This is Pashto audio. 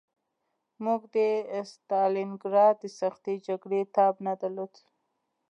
موږ د ستالینګراډ د سختې جګړې تاب نه درلود